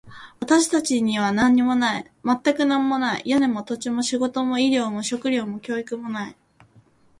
私たちには何もない。全く何もない。屋根も、土地も、仕事も、医療も、食料も、教育もない。